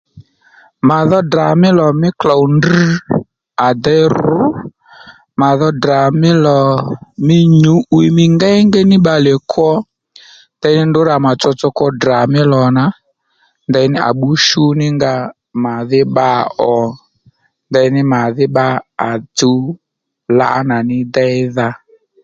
Mà dho Ddrà mí lò mí klôw ndrr à déy ru mà dho Ddrà mí lò mí nyǔ'wiy mí ngéyngéy ní bbalè kwo ndeyní ndrǔ rǎ mà tsosto kwo Ddrà mí lò nà ndeyní à bbú shú ní nga màdhí bba ò ndeyní màdhí bba à chǔw lǎnà ní déydha